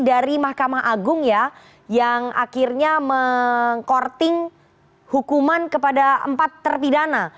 dari mahkamah agung ya yang akhirnya meng courting hukuman kepada empat terpidana